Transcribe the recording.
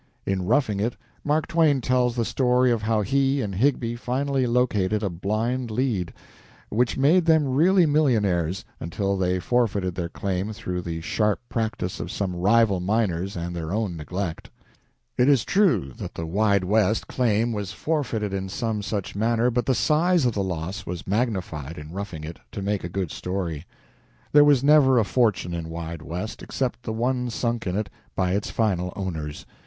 In "Roughing It" Mark Twain tells the story of how he and Higbie finally located a "blind lead," which made them really millionaires, until they forfeited their claim through the sharp practice of some rival miners and their own neglect. It is true that the "Wide West" claim was forfeited in some such manner, but the size of the loss was magnified in "Roughing It," to make a good story. There was never a fortune in "Wide West," except the one sunk in it by its final owners.